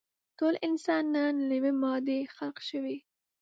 ټول انسانان له يوې مادې خلق شوي.